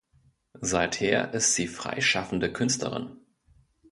Seither ist sie freischaffende Künstlerin.